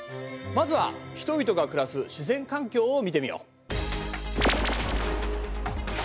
まずは人々が暮らす自然環境を見てみよう。